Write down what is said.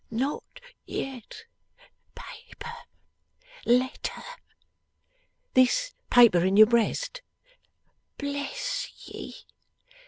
'Not yet. Paper. Letter.' 'This paper in your breast?' 'Bless ye!